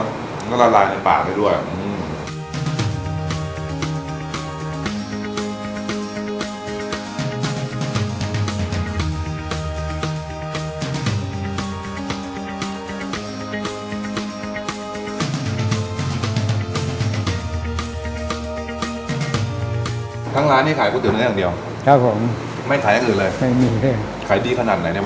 มันก็ละลายในปากไปด้วยอื้อ